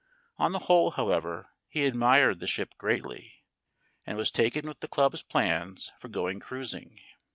On the whole, however, he admired the ship greatly, and was taken with the club's plans for going cruising.